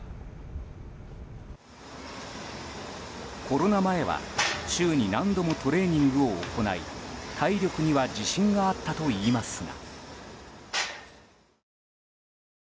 コロナ前は週に何度もトレーニングを行い体力には自信があったといいますが。